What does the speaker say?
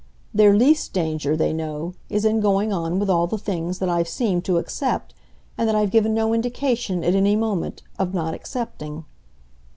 Their least danger, they know, is in going on with all the things that I've seemed to accept and that I've given no indication, at any moment, of not accepting.